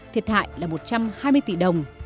thiệt hại là một trăm hai mươi tỷ đồng